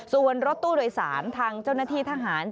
ส่วนรถตู้โดยสารทางเจ้าหน้าที่ทหาร